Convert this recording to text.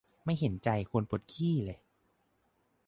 ไม่เห็นใจคนปวดขี้เลย